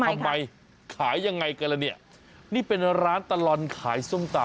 ทำไมขายยังไงกันล่ะเนี่ยนี่เป็นร้านตลอดขายส้มตำ